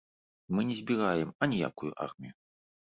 Мы не збіраем аніякую армію.